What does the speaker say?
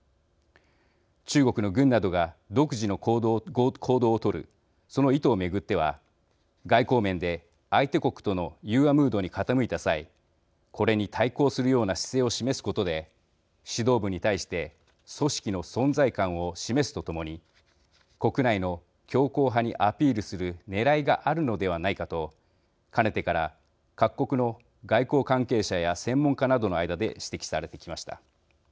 中国の軍などが独自の行動を取るその意図を巡っては外交面で相手国との融和ムードに傾いた際これに対抗するような姿勢を示すことで、指導部に対して組織の存在感を示すとともに国内の強硬派にアピールするねらいがあるのではないかとかねてから、各国の外交関係者や専門家などの間で指摘されてきました。